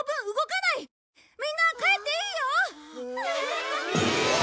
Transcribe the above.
みんな帰っていいよ！